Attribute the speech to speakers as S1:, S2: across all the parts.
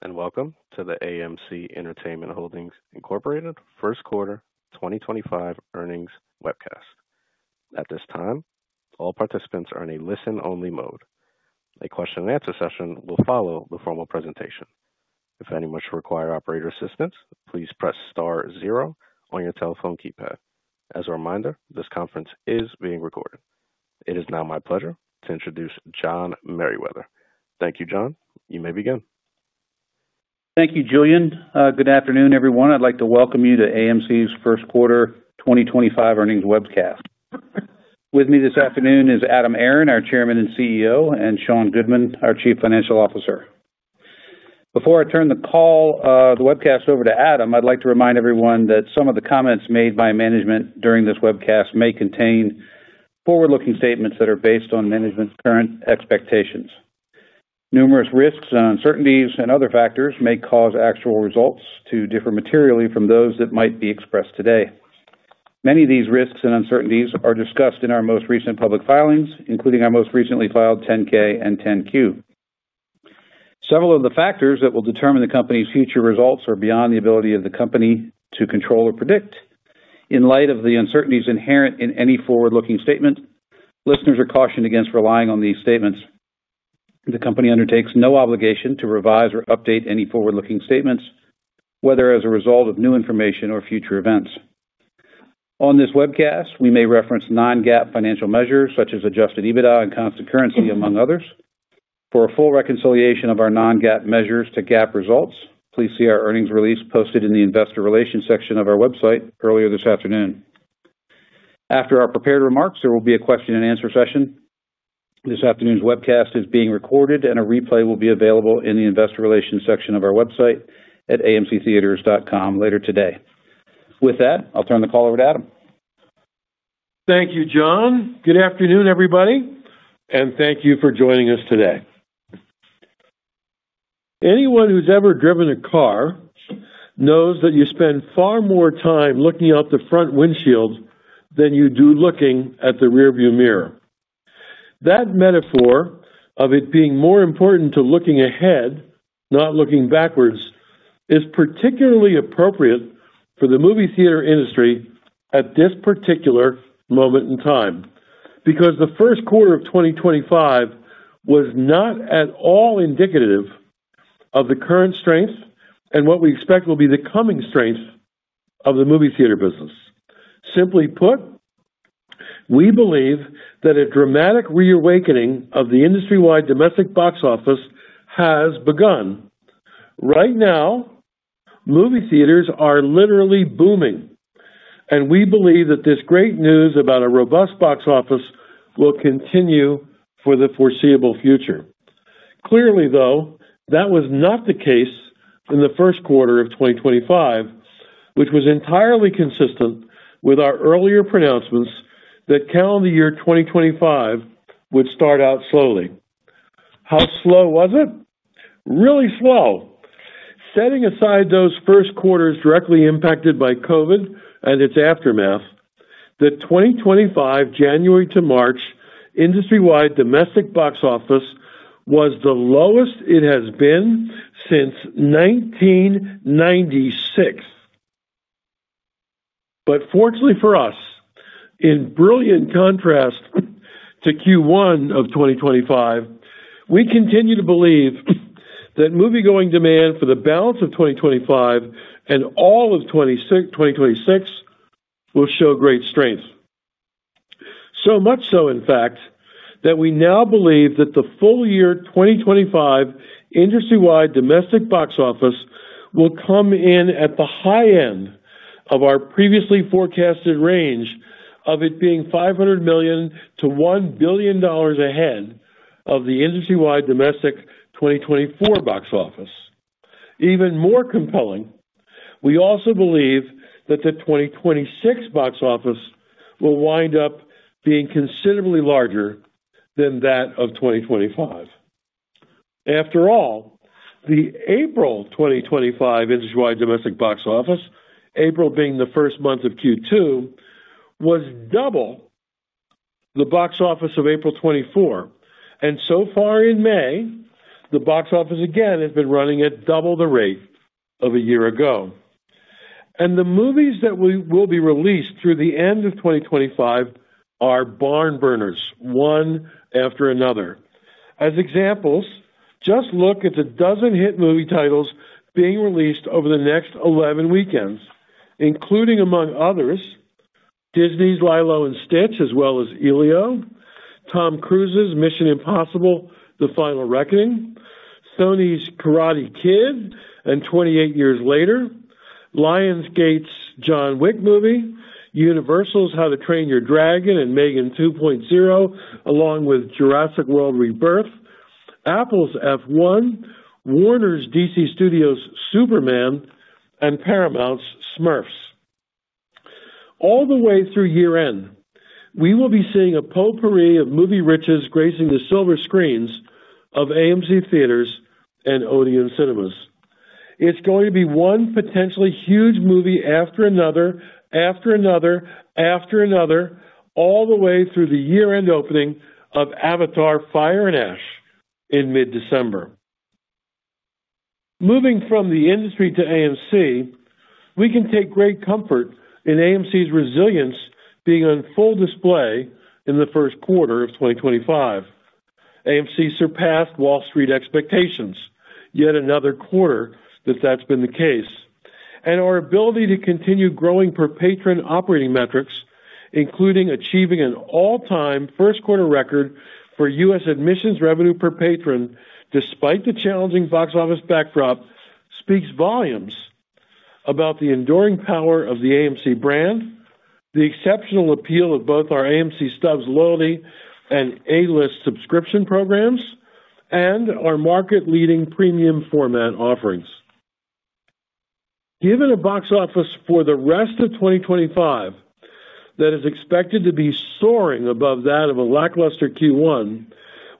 S1: Greetings and welcome to the AMC Entertainment Holdings First Quarter 2025 Earnings Webcast. At this time, all participants are in a listen-only mode. A question-and-answer session will follow the formal presentation. If any of us require operator assistance, please press star zero on your telephone keypad. As a reminder, this conference is being recorded. It is now my pleasure to introduce John Merriwether. Thank you, John. You may begin.
S2: Thank you, Julian. Good afternoon, everyone. I'd like to welcome you to AMC's First Quarter 2025 Earnings Webcast. With me this afternoon is Adam Aron, our Chairman and CEO, and Sean Goodman, our Chief Financial Officer. Before I turn the call, the webcast over to Adam, I'd like to remind everyone that some of the comments made by management during this webcast may contain forward-looking statements that are based on management's current expectations. Numerous risks and uncertainties and other factors may cause actual results to differ materially from those that might be expressed today. Many of these risks and uncertainties are discussed in our most recent public filings, including our most recently filed 10-K and 10-Q. Several of the factors that will determine the company's future results are beyond the ability of the company to control or predict. In light of the uncertainties inherent in any forward-looking statement, listeners are cautioned against relying on these statements. The company undertakes no obligation to revise or update any forward-looking statements, whether as a result of new information or future events. On this webcast, we may reference non-GAAP financial measures such as adjusted EBITDA and constant currency, among others. For a full reconciliation of our non-GAAP measures to GAAP results, please see our earnings release posted in the investor relations section of our website earlier this afternoon. After our prepared remarks, there will be a question-and-answer session. This afternoon's webcast is being recorded, and a replay will be available in the investor relations section of our website at amctheaters.com later today. With that, I'll turn the call over to Adam.
S3: Thank you, John. Good afternoon, everybody, and thank you for joining us today. Anyone who's ever driven a car knows that you spend far more time looking out the front windshield than you do looking at the rearview mirror. That metaphor of it being more important to looking ahead, not looking backwards, is particularly appropriate for the movie theater industry at this particular moment in time because the first quarter of 2025 was not at all indicative of the current strength and what we expect will be the coming strength of the movie theater business. Simply put, we believe that a dramatic reawakening of the industry-wide domestic box office has begun. Right now, movie theaters are literally booming, and we believe that this great news about a robust box office will continue for the foreseeable future. Clearly, though, that was not the case in the first quarter of 2025, which was entirely consistent with our earlier pronouncements that Calendar Year 2025 would start out slowly. How slow was it? Really slow. Setting aside those first quarters directly impacted by COVID and its aftermath, the 2025 January to March industry-wide domestic box office was the lowest it has been since 1996. Fortunately for us, in brilliant contrast to Q1 of 2025, we continue to believe that movie-going demand for the balance of 2025 and all of 2026 will show great strength. So much so, in fact, that we now believe that the full year 2025 industry-wide domestic box office will come in at the high end of our previously forecasted range of it being $500 million-$1 billion ahead of the industry-wide domestic 2024 box office. Even more compelling, we also believe that the 2026 box office will wind up being considerably larger than that of 2025. After all, the April 2025 industry-wide domestic box office, April being the first month of Q2, was double the box office of April 2024. So far in May, the box office again has been running at double the rate of a year ago. The movies that will be released through the end of 2025 are barn burners, one after another. As examples, just look at the dozen hit movie titles being released over the next 11 weekends, including, among others, Disney's Lilo & Stitch, as well as Elio; Tom Cruise's Mission: Impossible - The Final Reckoning; Sony's Karate Kid; and 28 Years Later; Lionsgate's John Wick movie; Universal's How to Train Your Dragon and Megan 2.0, along with Jurassic World: Rebirth; Apple's F1; Warner's DC Studios' Superman; and Paramount's Smurfs. All the way through year-end, we will be seeing a potpourri of movie riches gracing the silver screens of AMC theaters and Odeon cinemas. It's going to be one potentially huge movie after another, after another, after another, all the way through the year-end opening of Avatar: Fire and Ash in mid-December. Moving from the industry to AMC, we can take great comfort in AMC's resilience being on full display in the first quarter of 2025. AMC surpassed Wall Street expectations yet another quarter that has been the case. Our ability to continue growing per-patron operating metrics, including achieving an all-time first-quarter record for U.S. admissions revenue per-patron despite the challenging box office backdrop, speaks volumes about the enduring power of the AMC brand, the exceptional appeal of both our AMC Stubs loyalty and A-list subscription programs, and our market-leading premium format offerings. Given a box office for the rest of 2025 that is expected to be soaring above that of a lackluster Q1,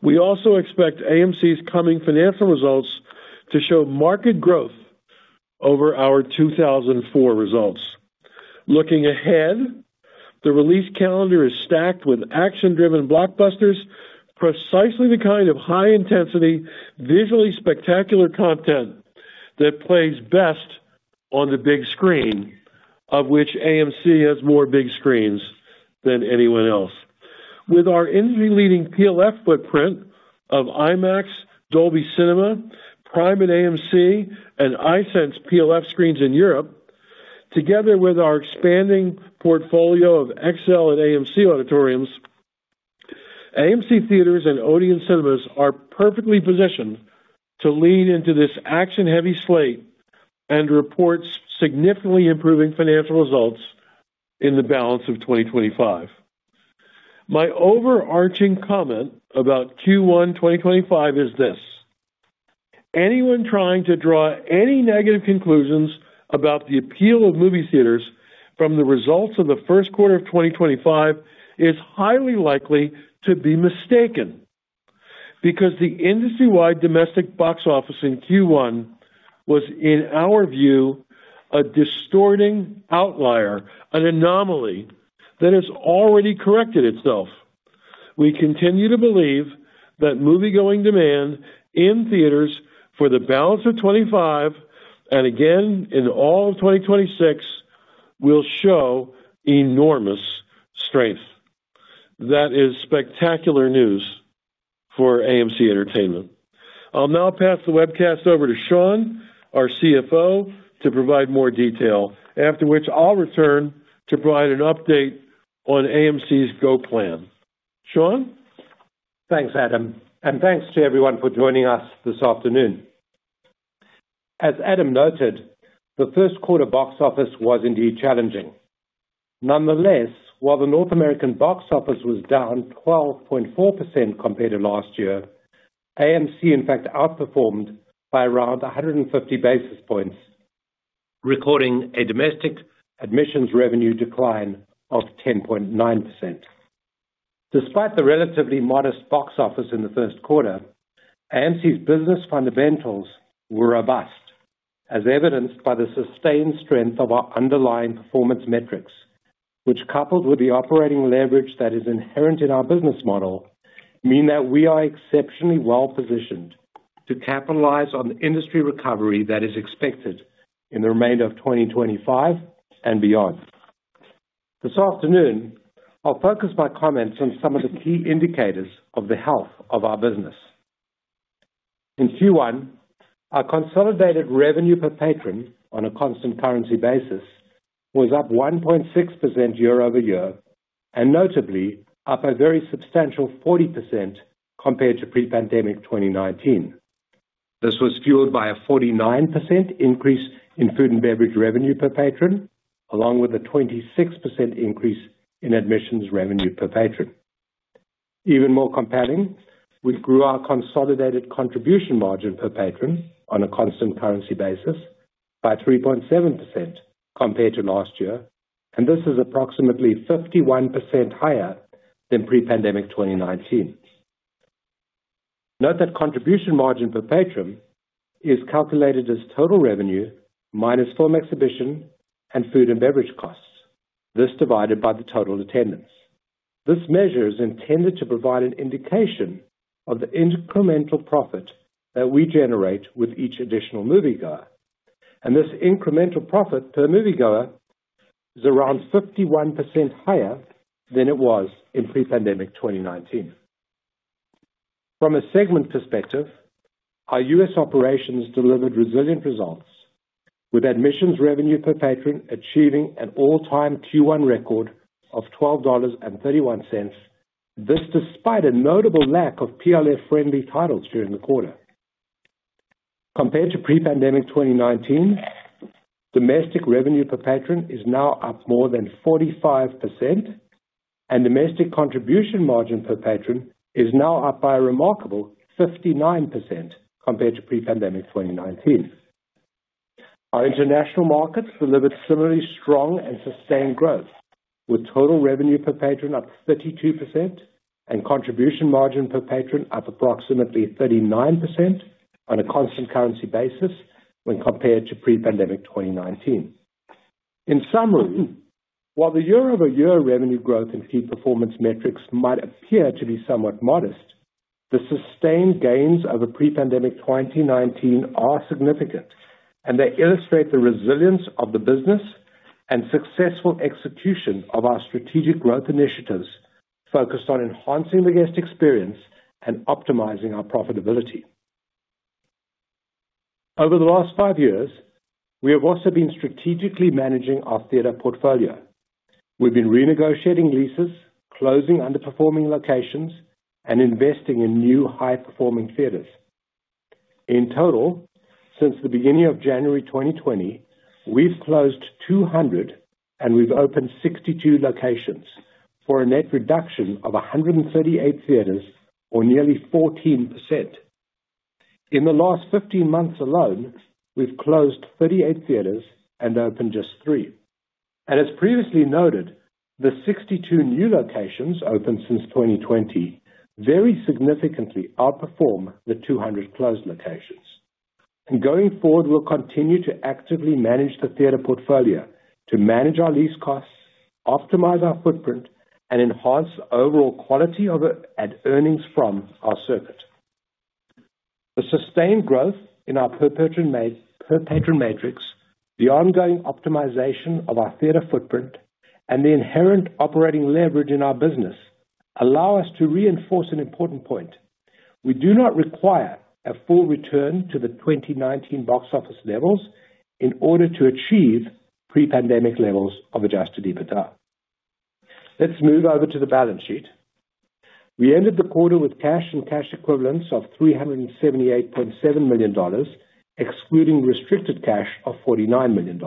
S3: we also expect AMC's coming financial results to show market growth over our 2004 results. Looking ahead, the release calendar is stacked with action-driven blockbusters, precisely the kind of high-intensity, visually spectacular content that plays best on the big screen, of which AMC has more big screens than anyone else. With our industry-leading PLF footprint of IMAX, Dolby Cinema, Prime and AMC, and iSense PLF screens in Europe, together with our expanding portfolio of XL and AMC auditoriums, AMC theaters and Odeon cinemas are perfectly positioned to lean into this action-heavy slate and report significantly improving financial results in the balance of 2025. My overarching comment about Q1 2025 is this: Anyone trying to draw any negative conclusions about the appeal of movie theaters from the results of the first quarter of 2025 is highly likely to be mistaken because the industry-wide domestic box office in Q1 was, in our view, a distorting outlier, an anomaly that has already corrected itself. We continue to believe that movie-going demand in theaters for the balance of 2025 and again in all of 2026 will show enormous strength. That is spectacular news for AMC Entertainment. I'll now pass the webcast over to Sean, our CFO, to provide more detail, after which I'll return to provide an update on AMC's go-plan. Sean?
S4: Thanks, Adam. Thanks to everyone for joining us this afternoon. As Adam noted, the first quarter box office was indeed challenging. Nonetheless, while the North American box office was down 12.4% compared to last year, AMC, in fact, outperformed by around 150 basis points, recording a domestic admissions revenue decline of 10.9%. Despite the relatively modest box office in the first quarter, AMC's business fundamentals were robust, as evidenced by the sustained strength of our underlying performance metrics, which, coupled with the operating leverage that is inherent in our business model, mean that we are exceptionally well-positioned to capitalize on the industry recovery that is expected in the remainder of 2025 and beyond. This afternoon, I'll focus my comments on some of the key indicators of the health of our business. In Q1, our consolidated revenue per-patron on a constant currency basis was up 1.6% year-over-year and notably up a very substantial 40% compared to pre-pandemic 2019. This was fueled by a 49% increase in food and beverage revenue per-patron, along with a 26% increase in admissions revenue per-patron. Even more compelling, we grew our consolidated contribution margin per-patron on a constant currency basis by 3.7% compared to last year, and this is approximately 51% higher than pre-pandemic 2019. Note that contribution margin per-patron is calculated as total revenue minus film exhibition and food and beverage costs, this divided by the total attendance. This measure is intended to provide an indication of the incremental profit that we generate with each additional moviegoer. This incremental profit per moviegoer is around 51% higher than it was in pre-pandemic 2019. From a segment perspective, our U.S. Operations delivered resilient results, with admissions revenue per-patron achieving an all-time Q1 record of $12.31, this despite a notable lack of PLF-friendly titles during the quarter. Compared to pre-pandemic 2019, domestic revenue per-patron is now up more than 45%, and domestic contribution margin per-patron is now up by a remarkable 59% compared to pre-pandemic 2019. Our international markets delivered similarly strong and sustained growth, with total revenue per-patron up 32% and contribution margin per-patron up approximately 39% on a constant currency basis when compared to pre-pandemic 2019. In summary, while the year-over-year revenue growth in key performance metrics might appear to be somewhat modest, the sustained gains over pre-pandemic 2019 are significant, and they illustrate the resilience of the business and successful execution of our strategic growth initiatives focused on enhancing the guest experience and optimizing our profitability. Over the last five years, we have also been strategically managing our theater portfolio. We've been renegotiating leases, closing underperforming locations, and investing in new high-performing theaters. In total, since the beginning of January 2020, we've closed 200, and we've opened 62 locations for a net reduction of 138 theaters, or nearly 14%. In the last 15 months alone, we've closed 38 theaters and opened just three. As previously noted, the 62 new locations opened since 2020 very significantly outperform the 200 closed locations. Going forward, we'll continue to actively manage the theater portfolio to manage our lease costs, optimize our footprint, and enhance overall quality and earnings from our circuit. The sustained growth in our per-patron matrix, the ongoing optimization of our theater footprint, and the inherent operating leverage in our business allow us to reinforce an important point: We do not require a full return to the 2019 box office levels in order to achieve pre-pandemic levels of adjusted EBITDA. Let's move over to the balance sheet. We ended the quarter with cash and cash equivalents of $378.7 million, excluding restricted cash of $49 million.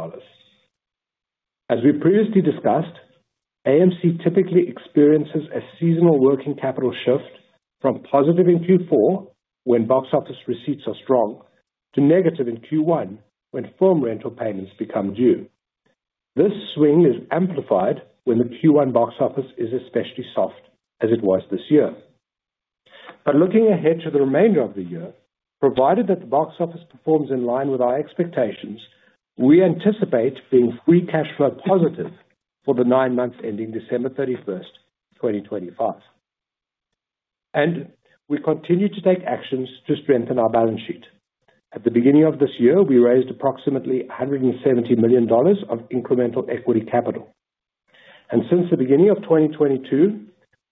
S4: As we previously discussed, AMC typically experiences a seasonal working capital shift from positive in Q4, when box office receipts are strong, to negative in Q1, when firm rental payments become due. This swing is amplified when the Q1 box office is especially soft, as it was this year. Looking ahead to the remainder of the year, provided that the box office performs in line with our expectations, we anticipate being free cash flow positive for the nine months ending December 31, 2025. We continue to take actions to strengthen our balance sheet. At the beginning of this year, we raised approximately $170 million of incremental equity capital. Since the beginning of 2022,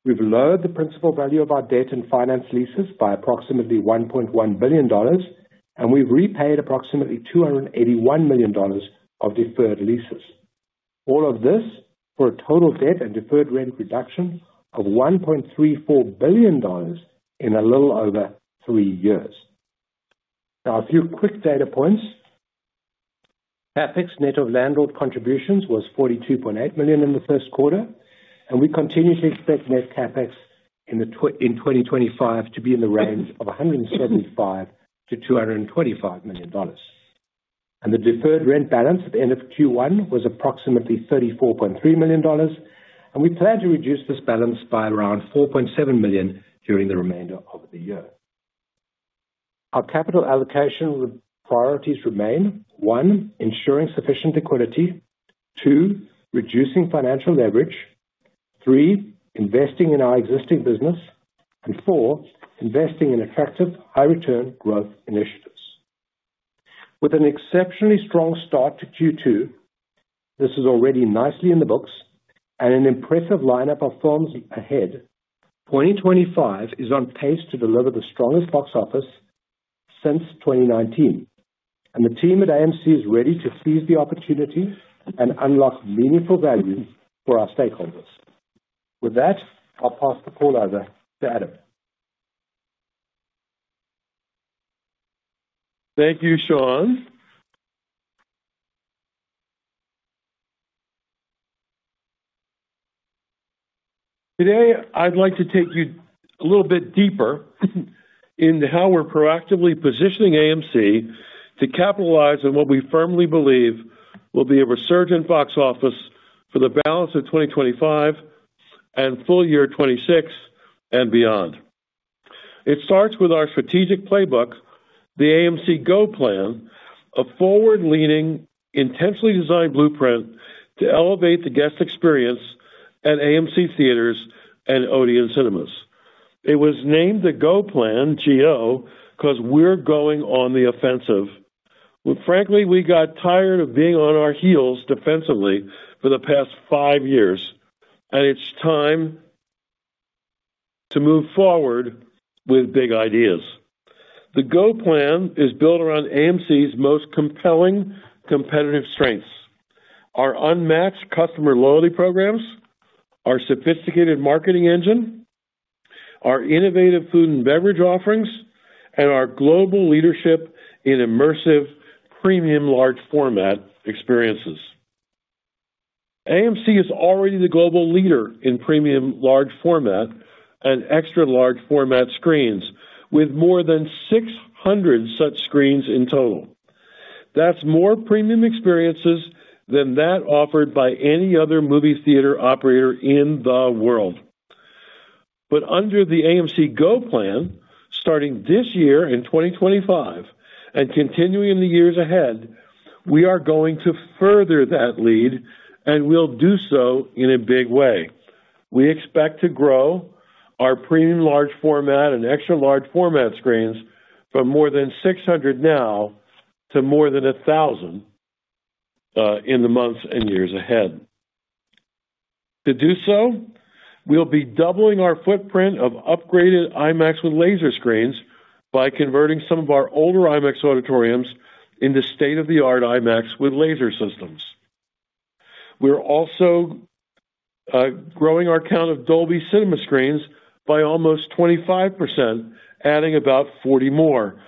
S4: we have lowered the principal value of our debt and finance leases by approximately $1.1 billion, and we have repaid approximately $281 million of deferred leases. All of this for a total debt and deferred rent reduction of $1.34 billion in a little over three years. Now, a few quick data points: CapEx net of landlord contributions was $42.8 million in the first quarter, and we continue to expect net CapEx in 2025 to be in the range of $175-$225 million. The deferred rent balance at the end of Q1 was approximately $34.3 million, and we plan to reduce this balance by around $4.7 million during the remainder of the year. Our capital allocation priorities remain: one, ensuring sufficient liquidity; two, reducing financial leverage; three, investing in our existing business; and four, investing in attractive high-return growth initiatives. With an exceptionally strong start to Q2, this is already nicely in the books, and an impressive lineup of films ahead, 2025 is on pace to deliver the strongest box office since 2019. The team at AMC is ready to seize the opportunity and unlock meaningful value for our stakeholders. With that, I'll pass the call over to Adam.
S3: Thank you, Sean. Today, I'd like to take you a little bit deeper into how we're proactively positioning AMC to capitalize on what we firmly believe will be a resurgent box office for the balance of 2025 and full year 2026 and beyond. It starts with our strategic playbook, the AMC GO Plan, a forward-leaning, intentionally designed blueprint to elevate the guest experience at AMC theaters and Odeon cinemas. It was named the GO Plan, GO, because we're going on the offensive. Frankly, we got tired of being on our heels defensively for the past five years, and it's time to move forward with big ideas. The GO Plan is built around AMC's most compelling competitive strengths: our unmatched customer loyalty programs, our sophisticated marketing engine, our innovative food and beverage offerings, and our global leadership in immersive premium large-format experiences. AMC is already the global leader in premium large-format and extra-large-format screens, with more than 600 such screens in total. That's more premium experiences than that offered by any other movie theater operator in the world. Under the AMC GO Plan, starting this year in 2025 and continuing in the years ahead, we are going to further that lead, and we'll do so in a big way. We expect to grow our premium large-format and extra-large-format screens from more than 600 now to more than 1,000 in the months and years ahead. To do so, we'll be doubling our footprint of upgraded IMAX with laser screens by converting some of our older IMAX auditoriums into state-of-the-art IMAX with laser systems. We're also growing our count of Dolby Cinema screens by almost 25%, adding about 40 more.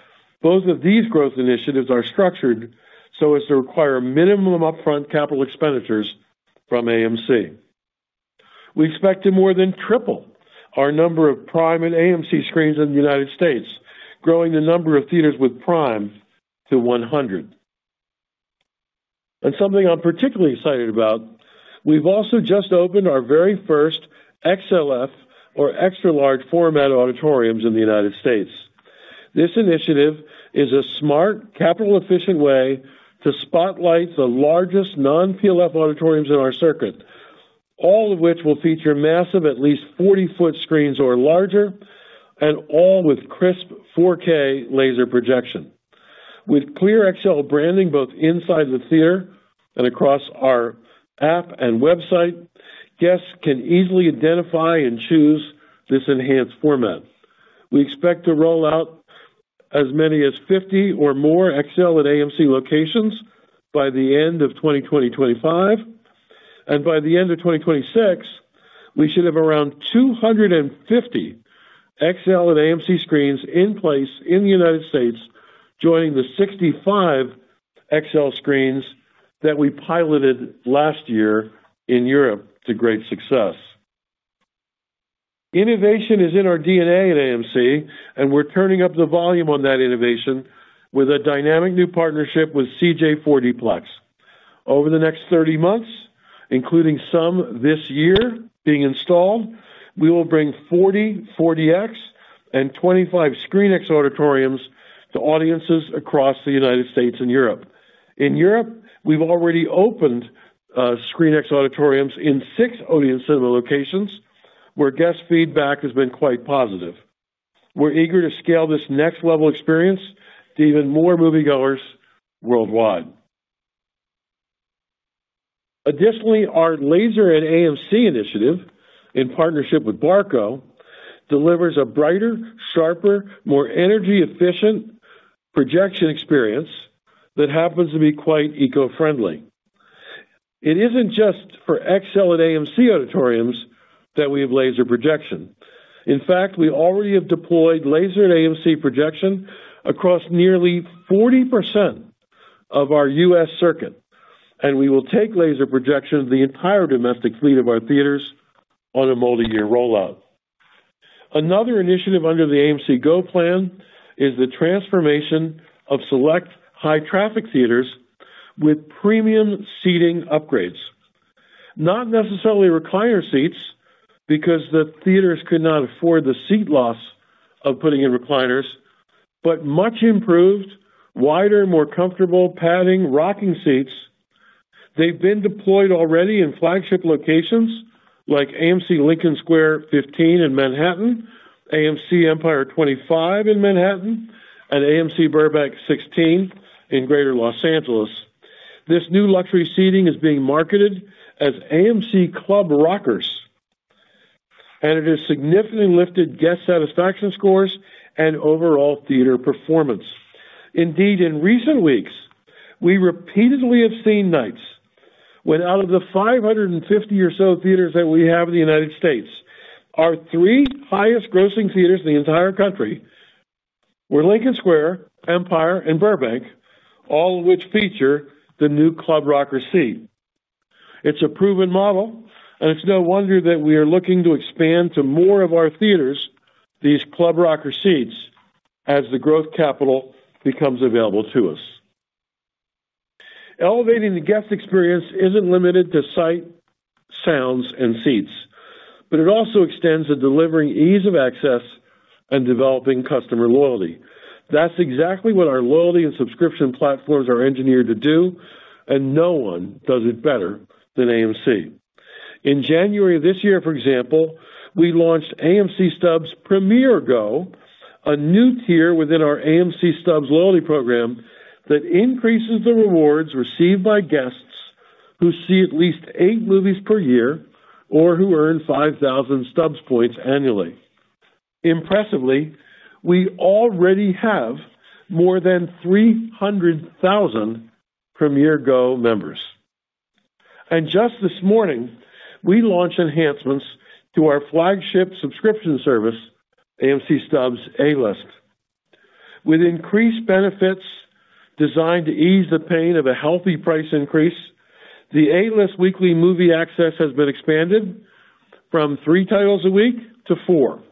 S3: Both of these growth initiatives are structured so as to require minimum upfront capital expenditures from AMC. We expect to more than triple our number of Prime and AMC screens in the United States, growing the number of theaters with Prime to 100. Something I'm particularly excited about: we've also just opened our very first XLF, or extra-large-format auditoriums, in the United States. This initiative is a smart, capital-efficient way to spotlight the largest non-PLF auditoriums in our circuit, all of which will feature massive at least 40-foot screens or larger, and all with crisp 4K laser projection. With clear XL branding both inside the theater and across our app and website, guests can easily identify and choose this enhanced format. We expect to roll out as many as 50 or more XL and AMC locations by the end of 2025. By the end of 2026, we should have around 250 XL and AMC screens in place in the United States, joining the 65 XL screens that we piloted last year in Europe to great success. Innovation is in our DNA at AMC, and we're turning up the volume on that innovation with a dynamic new partnership with CJ4Dplex. Over the next 30 months, including some this year being installed, we will bring 40 4DX and 25 ScreenX auditoriums to audiences across the United States and Europe. In Europe, we've already opened ScreenX auditoriums in six Odeon cinema locations, where guest feedback has been quite positive. We're eager to scale this next-level experience to even more moviegoers worldwide. Additionally, our Laser at AMC initiative, in partnership with Barco, delivers a brighter, sharper, more energy-efficient projection experience that happens to be quite eco-friendly. It is not just for XL and AMC auditoriums that we have laser projection. In fact, we already have deployed Laser at AMC projection across nearly 40% of our U.S. circuit, and we will take laser projection to the entire domestic fleet of our theaters on a multi-year rollout. Another initiative under the AMC GO Plan is the transformation of select high-traffic theaters with premium seating upgrades. Not necessarily recliner seats, because the theaters could not afford the seat loss of putting in recliners, but much improved, wider, more comfortable padding rocking seats. They have been deployed already in flagship locations like AMC Lincoln Square 15 in Manhattan, AMC Empire 25 in Manhattan, and AMC Burbank 16 in greater Los Angeles. This new luxury seating is being marketed as AMC Club Rockers, and it has significantly lifted guest satisfaction scores and overall theater performance. Indeed, in recent weeks, we repeatedly have seen nights when out of the 550 or so theaters that we have in the United States, our three highest-grossing theaters in the entire country were Lincoln Square, Empire, and Burbank, all of which feature the new Club Rocker seat. It's a proven model, and it's no wonder that we are looking to expand to more of our theaters these Club Rocker seats as the growth capital becomes available to us. Elevating the guest experience isn't limited to sight, sounds, and seats, but it also extends to delivering ease of access and developing customer loyalty. That's exactly what our loyalty and subscription platforms are engineered to do, and no one does it better than AMC. In January of this year, for example, we launched AMC Stubs Premier GO, a new tier within our AMC Stubs loyalty program that increases the rewards received by guests who see at least eight movies per year or who earn 5,000 Stubs points annually. Impressively, we already have more than 300,000 Premier GO members. Just this morning, we launched enhancements to our flagship subscription service, AMC Stubs A-List. With increased benefits designed to ease the pain of a healthy price increase, the A-List weekly movie access has been expanded from three titles a week to four.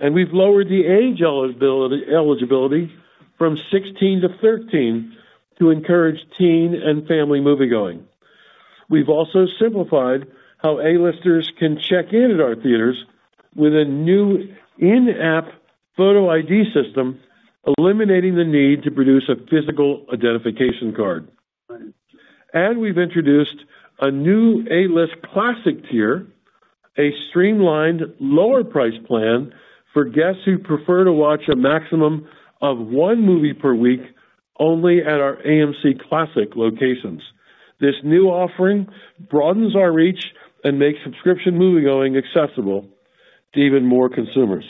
S3: We have lowered the age eligibility from 16 to 13 to encourage teen and family moviegoing. We have also simplified how A-Listers can check in at our theaters with a new in-app photo ID system, eliminating the need to produce a physical identification card. We have introduced a new A-List Classic tier, a streamlined lower-priced plan for guests who prefer to watch a maximum of one movie per week only at our AMC Classic locations. This new offering broadens our reach and makes subscription moviegoing accessible to even more consumers.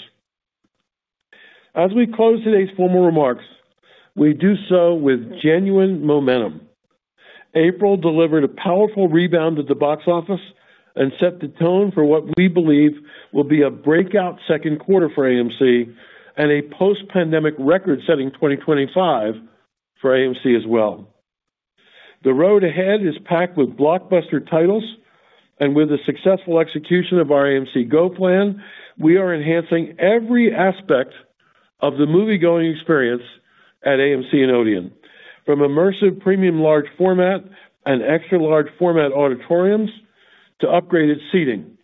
S3: As we close today's formal remarks, we do so with genuine momentum. April delivered a powerful rebound at the box office and set the tone for what we believe will be a breakout second quarter for AMC and a post-pandemic record-setting 2025 for AMC as well. The road ahead is packed with blockbuster titles, and with the successful execution of our AMC GO Plan, we are enhancing every aspect of the moviegoing experience at AMC and Odeon, from immersive premium large-format and extra-large-format auditoriums to upgraded seating,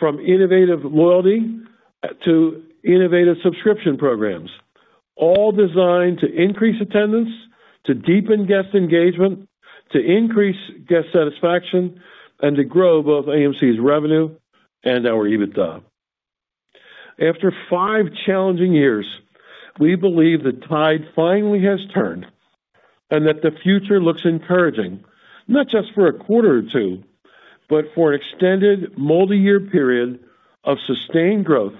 S3: from innovative loyalty to innovative subscription programs, all designed to increase attendance, to deepen guest engagement, to increase guest satisfaction, and to grow both AMC's revenue and our EBITDA. After five challenging years, we believe the tide finally has turned and that the future looks encouraging, not just for a quarter or two, but for an extended multi-year period of sustained growth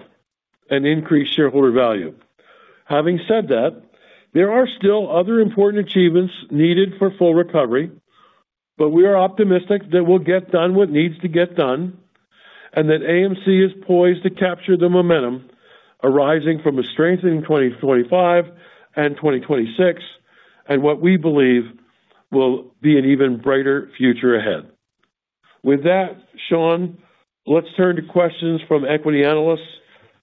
S3: and increased shareholder value. Having said that, there are still other important achievements needed for full recovery, but we are optimistic that we'll get done what needs to get done and that AMC is poised to capture the momentum arising from a strength in 2025 and 2026 and what we believe will be an even brighter future ahead. With that, Sean, let's turn to questions from equity analysts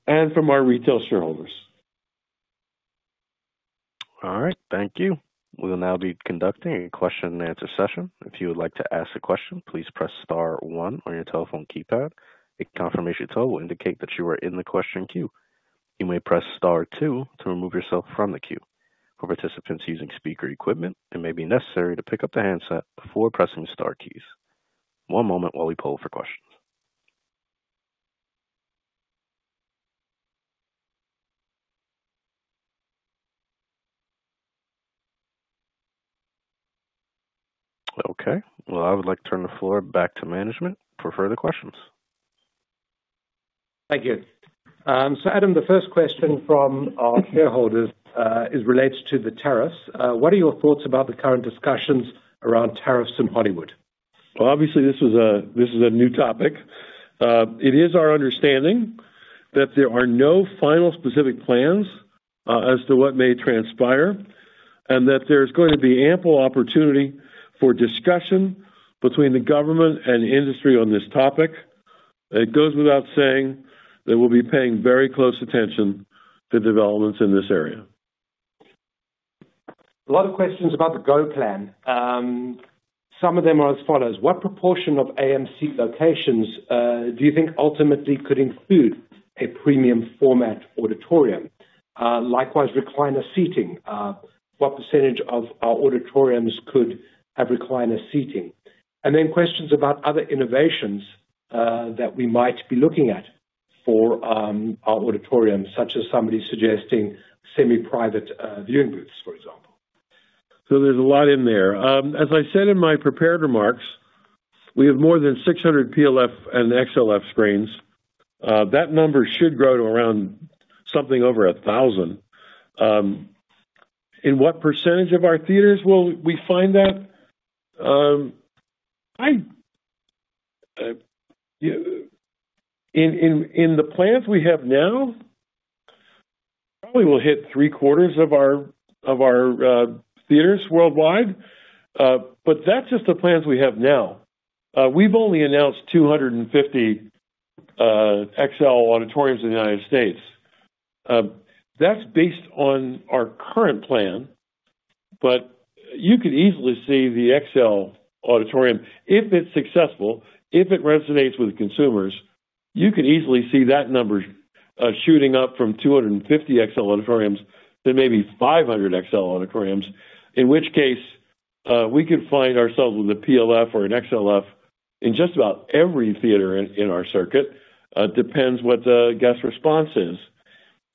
S3: and from our retail shareholders.
S1: All right. Thank you. We'll now be conducting a question-and-answer session. If you would like to ask a question, please press Star one on your telephone keypad. A confirmation tone will indicate that you are in the question queue. You may press Star two to remove yourself from the queue. For participants using speaker equipment, it may be necessary to pick up the handset before pressing the Star keys. One moment while we poll for questions. Okay. I would like to turn the floor back to management for further questions.
S4: Thank you. So Adam, the first question from our shareholders relates to the tariffs. What are your thoughts about the current discussions around tariffs in Hollywood?
S3: Obviously, this is a new topic. It is our understanding that there are no final specific plans as to what may transpire and that there's going to be ample opportunity for discussion between the government and industry on this topic. It goes without saying that we'll be paying very close attention to developments in this area.
S4: A lot of questions about the GO Plan. Some of them are as follows: What proportion of AMC locations do you think ultimately could include a premium format auditorium? Likewise, recliner seating. What percentage of our auditoriums could have recliner seating? Questions about other innovations that we might be looking at for our auditorium, such as somebody suggesting semi-private viewing booths, for example.
S3: There's a lot in there. As I said in my prepared remarks, we have more than 600 PLF and XLF screens. That number should grow to around something over 1,000. In what percentage of our theaters will we find that? In the plans we have now, probably we'll hit 75% of our theaters worldwide, but that's just the plans we have now. We've only announced 250 XL auditoriums in the United States. That's based on our current plan, but you could easily see the XL auditorium, if it's successful, if it resonates with consumers, you could easily see that number shooting up from 250 XL auditoriums to maybe 500 XL auditoriums, in which case we could find ourselves with a PLF or an XLF in just about every theater in our circuit. It depends what the guest response is.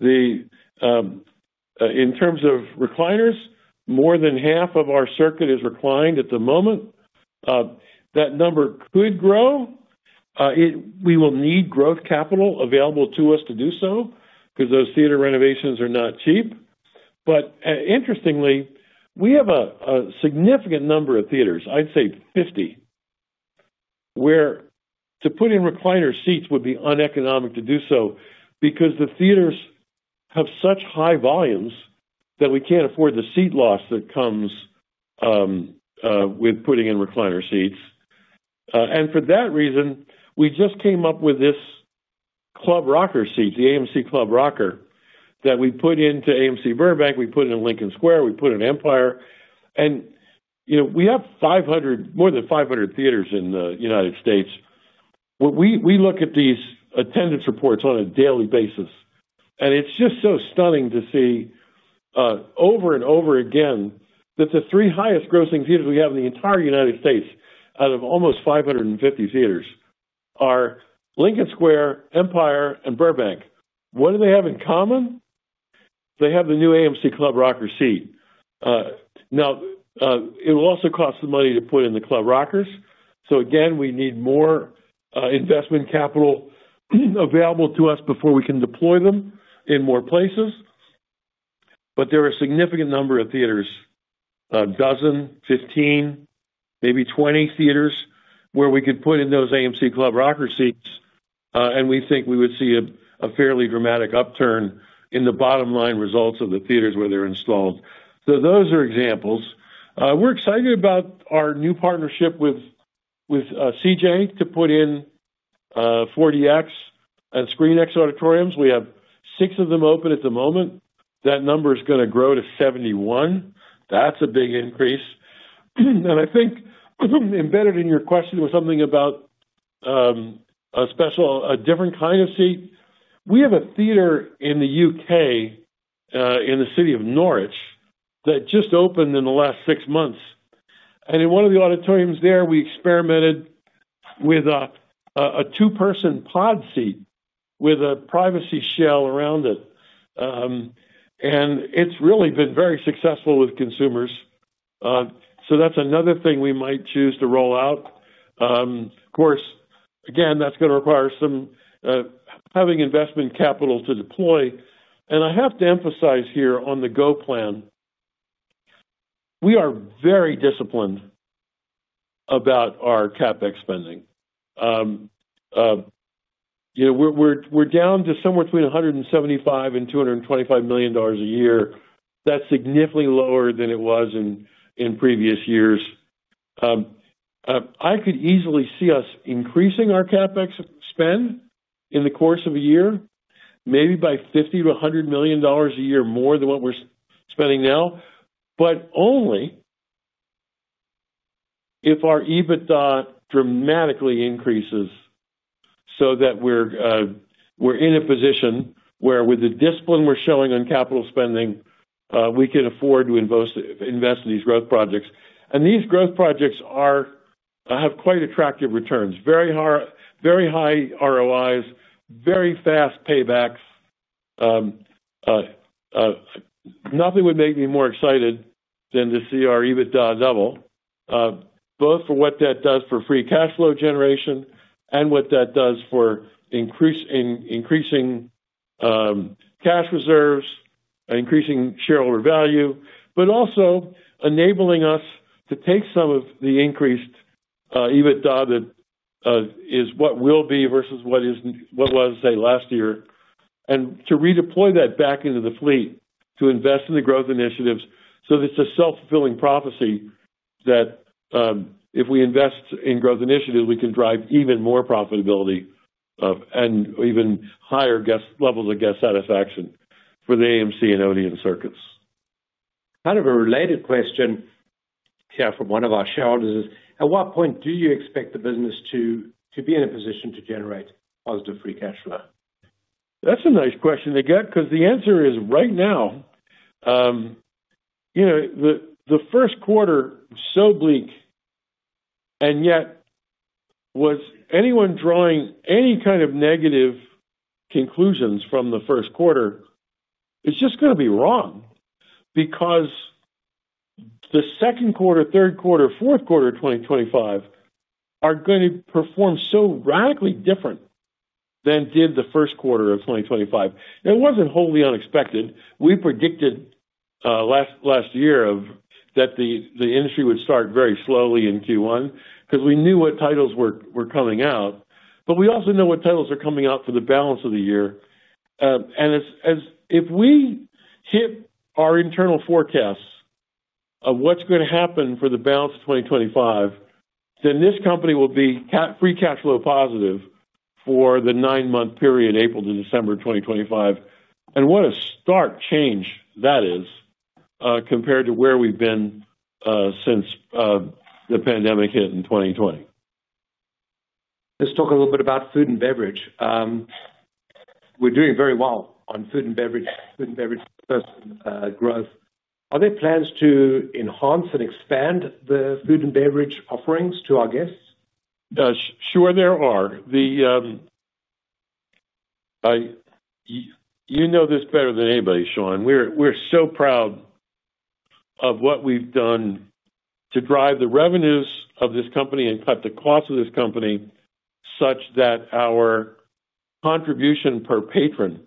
S3: In terms of recliners, more than half of our circuit is reclined at the moment. That number could grow. We will need growth capital available to us to do so because those theater renovations are not cheap. Interestingly, we have a significant number of theaters, I'd say 50, where to put in recliner seats would be uneconomic to do so because the theaters have such high volumes that we can't afford the seat loss that comes with putting in recliner seats. For that reason, we just came up with this Club Rocker seat, the AMC Club Rocker, that we put into AMC Burbank, we put it in Lincoln Square, we put it in Empire. We have more than 500 theaters in the United States. We look at these attendance reports on a daily basis, and it's just so stunning to see over and over again that the three highest-grossing theaters we have in the entire United States, out of almost 550 theaters, are Lincoln Square, Empire, and Burbank. What do they have in common? They have the new AMC Club Rocker seat. Now, it will also cost some money to put in the Club Rockers. Again, we need more investment capital available to us before we can deploy them in more places. There are a significant number of theaters, a dozen, 15, maybe 20 theaters, where we could put in those AMC Club Rocker seats, and we think we would see a fairly dramatic upturn in the bottom-line results of the theaters where they're installed. Those are examples. We're excited about our new partnership with CJ4Dplex to put in 4DX and ScreenX auditoriums. We have six of them open at the moment. That number is going to grow to 71. That's a big increase. I think embedded in your question was something about a different kind of seat. We have a theater in the U.K., in the city of Norwich, that just opened in the last six months. In one of the auditoriums there, we experimented with a two-person pod seat with a privacy shell around it. It's really been very successful with consumers. That's another thing we might choose to roll out. Of course, again, that's going to require having investment capital to deploy. I have to emphasize here on the GO Plan, we are very disciplined about our CapEx spending. We're down to somewhere between $175 million and $225 million a year. That's significantly lower than it was in previous years. I could easily see us increasing our CapEx spend in the course of a year, maybe by $50 million- $100 million a year more than what we're spending now, but only if our EBITDA dramatically increases so that we're in a position where, with the discipline we're showing on capital spending, we can afford to invest in these growth projects. These growth projects have quite attractive returns, very high ROIs, very fast paybacks. Nothing would make me more excited than to see our EBITDA double, both for what that does for free cash flow generation and what that does for increasing cash reserves, increasing shareholder value, but also enabling us to take some of the increased EBITDA that is what will be versus what was, say, last year, and to redeploy that back into the fleet to invest in the growth initiatives so that it is a self-fulfilling prophecy that if we invest in growth initiatives, we can drive even more profitability and even higher levels of guest satisfaction for the AMC and Odeon circuits.
S4: Kind of a related question here from one of our shareholders is, at what point do you expect the business to be in a position to generate positive free cash flow?
S3: That's a nice question to get because the answer is right now, the first quarter was so bleak and yet was anyone drawing any kind of negative conclusions from the first quarter, it's just going to be wrong because the second quarter, third quarter, fourth quarter of 2025 are going to perform so radically different than did the first quarter of 2025. It was not wholly unexpected. We predicted last year that the industry would start very slowly in Q1 because we knew what titles were coming out, but we also know what titles are coming out for the balance of the year. If we hit our internal forecasts of what's going to happen for the balance of 2025, then this company will be free cash flow positive for the nine-month period, April to December 2025. What a stark change that is compared to where we've been since the pandemic hit in 2020.
S4: Let's talk a little bit about food and beverage. We're doing very well on food and beverage growth. Are there plans to enhance and expand the food and beverage offerings to our guests?
S3: Sure there are. You know this better than anybody, Sean. We're so proud of what we've done to drive the revenues of this company and cut the costs of this company such that our contribution per-patron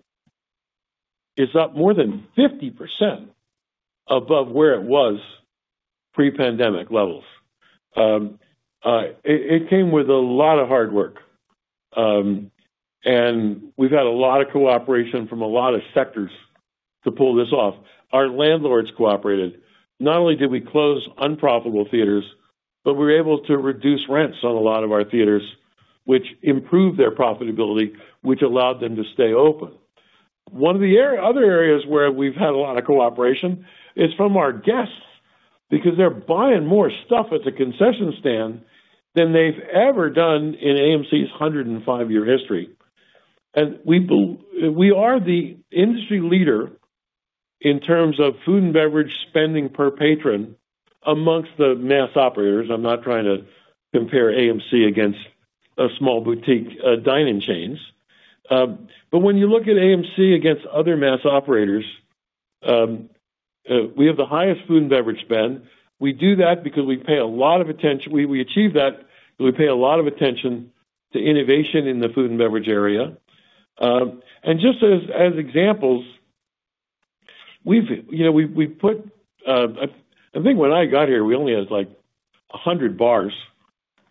S3: is up more than 50% above where it was pre-pandemic levels. It came with a lot of hard work, and we've had a lot of cooperation from a lot of sectors to pull this off. Our landlords cooperated. Not only did we close unprofitable theaters, but we were able to reduce rents on a lot of our theaters, which improved their profitability, which allowed them to stay open. One of the other areas where we've had a lot of cooperation is from our guests because they're buying more stuff at the concession stand than they've ever done in AMC's 105-year history. We are the industry leader in terms of food and beverage spending per-patron amongst the mass operators. I am not trying to compare AMC against small boutique dining chains. When you look at AMC against other mass operators, we have the highest food and beverage spend. We do that because we pay a lot of attention. We achieve that because we pay a lot of attention to innovation in the food and beverage area. Just as examples, I think when I got here, we only had like 100 bars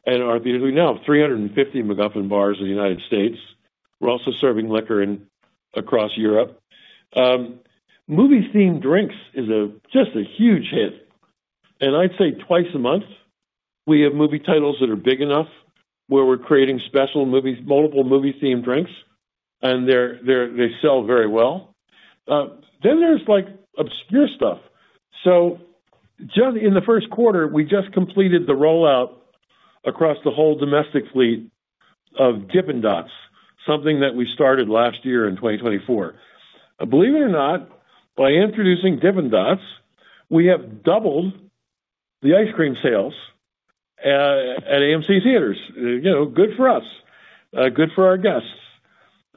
S3: in our theaters. We now have 350 MacGuffin bars in the United States. We are also serving liquor across Europe. Movie-themed drinks is just a huge hit. I would say twice a month, we have movie titles that are big enough where we are creating special multiple movie-themed drinks, and they sell very well. There is obscure stuff. Just in the first quarter, we just completed the rollout across the whole domestic fleet of Dippin' Dots, something that we started last year in 2024. Believe it or not, by introducing Dippin' Dots, we have doubled the ice cream sales at AMC theaters. Good for us, good for our guests.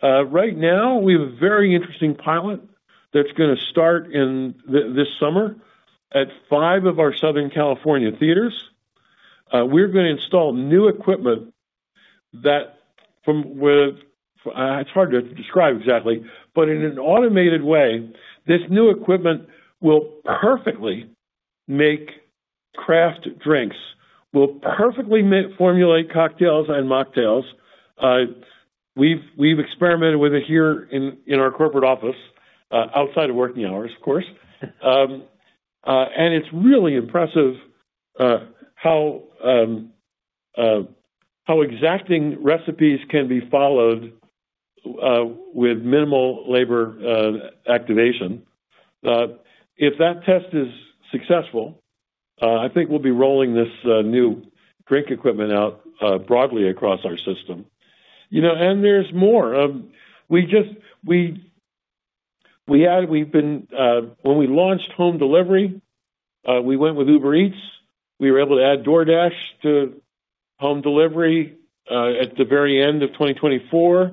S3: Right now, we have a very interesting pilot that's going to start this summer at five of our Southern California theaters. We're going to install new equipment that, it's hard to describe exactly, but in an automated way, this new equipment will perfectly make craft drinks, will perfectly formulate cocktails and mocktails. We've experimented with it here in our corporate office, outside of working hours, of course. It's really impressive how exacting recipes can be followed with minimal labor activation. If that test is successful, I think we'll be rolling this new drink equipment out broadly across our system. There's more. When we launched home delivery, we went with Uber Eats. We were able to add DoorDash to home delivery at the very end of 2024.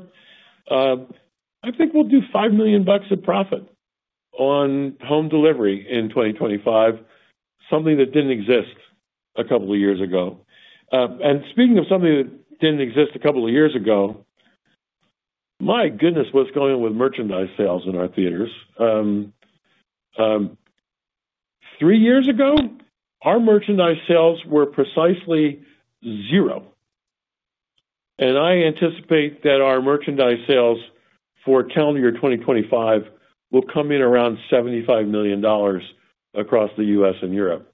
S3: I think we'll do $5 million of profit on home delivery in 2025, something that didn't exist a couple of years ago. Speaking of something that didn't exist a couple of years ago, my goodness, what's going on with merchandise sales in our theaters? Three years ago, our merchandise sales were precisely zero. I anticipate that our merchandise sales for calendar year 2025 will come in around $75 million across the U.S. and Europe,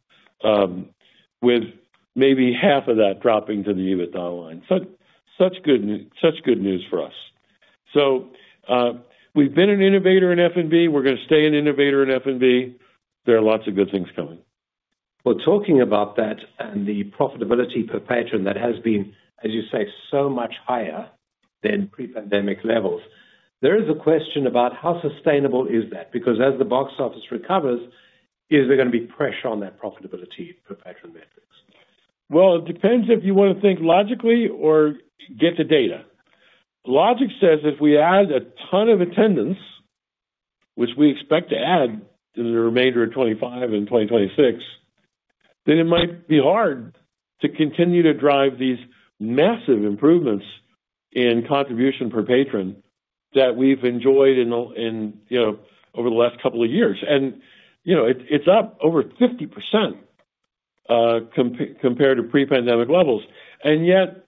S3: with maybe half of that dropping to the EBITDA line. Such good news for us. We've been an innovator in F&B. We're going to stay an innovator in F&B. There are lots of good things coming.
S4: Talking about that and the profitability per-patron that has been, as you say, so much higher than pre-pandemic levels, there is a question about how sustainable is that? Because as the box office recovers, is there going to be pressure on that profitability per-patron metrics?
S3: It depends if you want to think logically or get the data. Logic says if we add a ton of attendance, which we expect to add in the remainder of 2025 and 2026, then it might be hard to continue to drive these massive improvements in contribution per-patron that we've enjoyed over the last couple of years. It's up over 50% compared to pre-pandemic levels. Yet,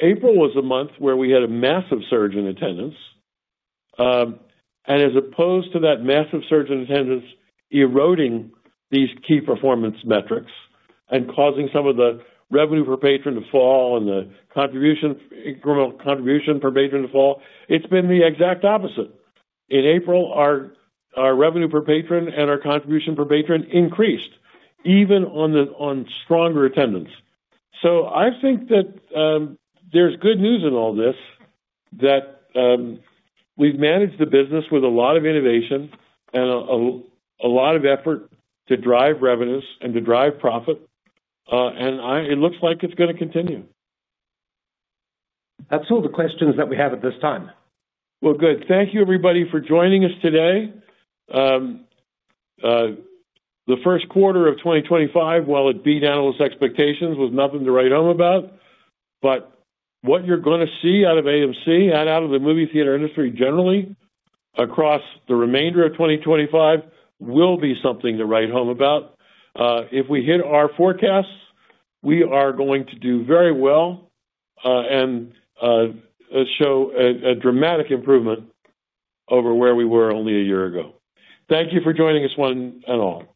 S3: April was a month where we had a massive surge in attendance. As opposed to that massive surge in attendance eroding these key performance metrics and causing some of the revenue per-patron to fall and the incremental contribution per-patron to fall, it's been the exact opposite. In April, our revenue per-patron and our contribution per-patron increased, even on stronger attendance. I think that there's good news in all this, that we've managed the business with a lot of innovation and a lot of effort to drive revenues and to drive profit. It looks like it's going to continue.
S4: That's all the questions that we have at this time.
S3: Thank you, everybody, for joining us today. The first quarter of 2025, while it beat analysts' expectations, was nothing to write home about. What you're going to see out of AMC and out of the movie theater industry generally across the remainder of 2025 will be something to write home about. If we hit our forecasts, we are going to do very well and show a dramatic improvement over where we were only a year ago. Thank you for joining us one and all.